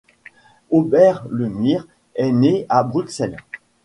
Aubert le Mire est né à Bruxelles.